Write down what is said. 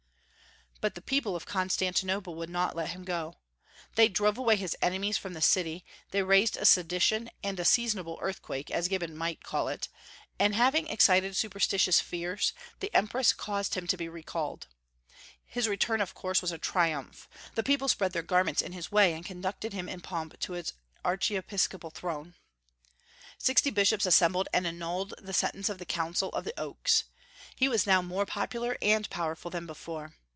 But the people of Constantinople would not let him go. They drove away his enemies from the city; they raised a sedition and a seasonable earthquake, as Gibbon might call it, and having excited superstitious fears, the empress caused him to be recalled. His return, of course, was a triumph. The people spread their garments in his way, and conducted him in pomp to his archiepiscopal throne. Sixty bishops assembled and annulled the sentence of the Council of the Oaks. He was now more popular and powerful than before.